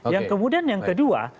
yang kemudian yang kedua